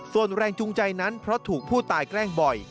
ส่วนแรงจูงใจนั้นเพราะถูกผู้ตายแกล้งบ่อย